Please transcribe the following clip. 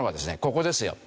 ここですよ。